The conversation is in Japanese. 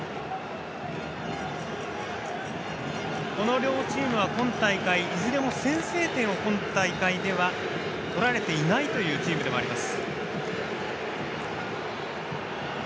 両チームは、今大会いずれも先制点を、今大会では取られていないというチームでもあります。